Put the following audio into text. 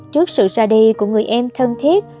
trước sự ra đi của người em thân thiết